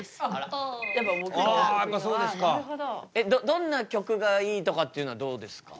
どんな曲がいいとかっていうのはどうですか？